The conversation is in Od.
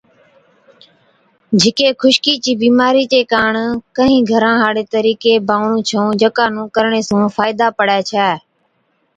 جھِڪي خُشڪِي چِي بِيمارِي چي ڪاڻ ڪهِين گھران هاڙي طرِيقي بانوَڻُون ڇئُون جڪا نُون ڪرڻي سُون فائِدا پڙَي ڇَي۔